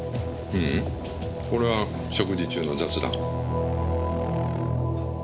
ううんこれは食事中の雑談。